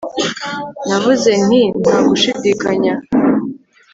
navuze nti nta gushidikanya